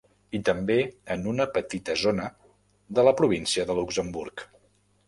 I també en una petita zona de la província de Luxemburg.